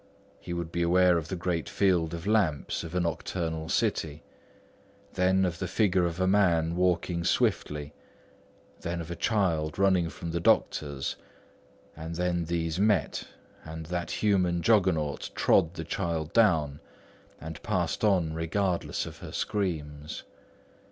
He would be aware of the great field of lamps of a nocturnal city; then of the figure of a man walking swiftly; then of a child running from the doctor's; and then these met, and that human Juggernaut trod the child down and passed on regardless of her screams.